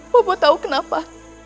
bapak tahu kenapa